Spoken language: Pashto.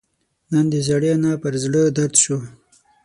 نن د زړې انا پر زړه دړد شو